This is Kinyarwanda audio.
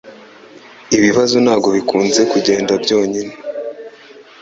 Ibibazo ntabwo bikunze kugenda byonyine.